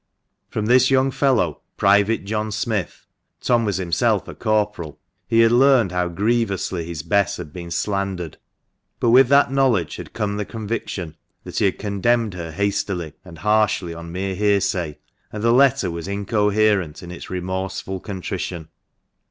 From this young fellow, Private John Smith (Tom was himself a Corporal), he had learned how grievously his Bess had been slandered ; but with that knowledge had come the conviction that he had con demned her hastily and harshly on mere hearsay, and the letter was incoherent in its remorseful contrition.